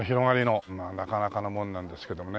まあなかなかのもんなんですけどもね。